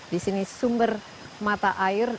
di sini sumber mata air